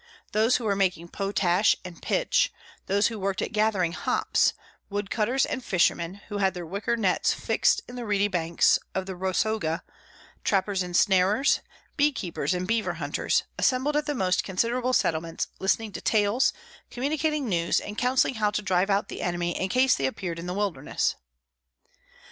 Those who were making potash and pitch; those who worked at gathering hops; wood cutters and fishermen, who had their wicker nets fixed in the reedy banks, of the Rosoga; trappers and snarers, bee keepers and beaver hunters, assembled at the most considerable settlements, listening to tales, communicating news, and counselling how to drive out the enemy in case they appeared in the wilderness.